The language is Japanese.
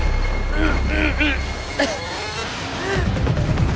うっ！